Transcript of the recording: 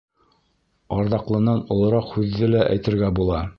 Арҙаҡлынан олораҡ һүҙҙе лә әйтергә була.